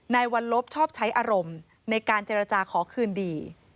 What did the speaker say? วันลบชอบใช้อารมณ์ในการเจรจาขอคืนดี